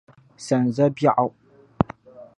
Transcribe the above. Sanza’ biɛɣu.